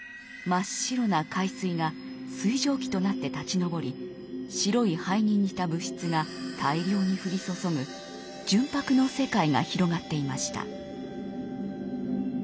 真っ白な海水が水蒸気となって立ちのぼり白い灰に似た物質が大量に降り注ぐ純白の世界が広がっていました。